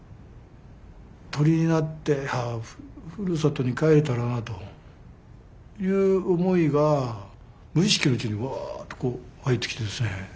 鳥になってふるさとに帰れたらなという思いが無意識のうちにわっとこう湧いてきてですね